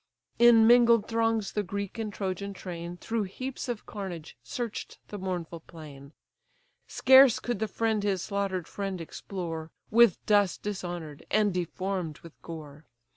In mingled throngs the Greek and Trojan train Through heaps of carnage search'd the mournful plain. Scarce could the friend his slaughter'd friend explore, With dust dishonour'd, and deformed with gore.